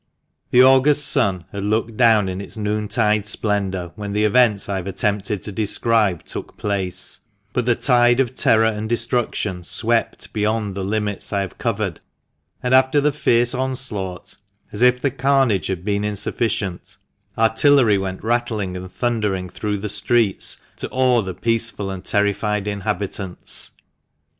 HE August sun had looked down in its noontide splen dour when the events I have attempted to describe took place , but the tide of terror and destruction swept beyond the limits I have covered, and after the fierce onslaught, as if the carnage had been insufficient, artil lery went rattling and thun dering through the streets, to awe the peaceful and terrified inhabitants.